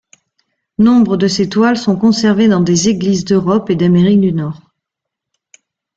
Nombre de ses toiles sont conservées dans des églises d'Europe et d'Amérique du Nord.